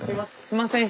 すみません。